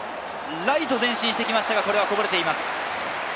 ライト、前進しましたが、こぼれています。